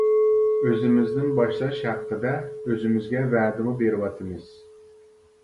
ئۆزىمىزدىن باشلاش ھەققىدە ئۆزىمىزگە ۋەدىمۇ بېرىۋاتىمىز.